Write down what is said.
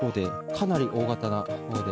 かなり大型な方で。